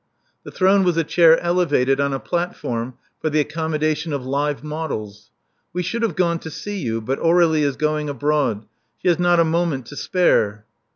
The throne was a chair elevated on a platform for the accommodation of live models. We should have gone to see you; but Aur^lie is going abroad. She has not a moment to spare."